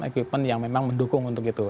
equipment yang memang mendukung untuk itu